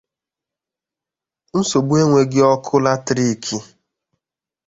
nsogbu enweghị ọkụ latiriiki